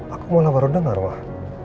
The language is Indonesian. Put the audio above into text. aku mau lawan udah ngaruh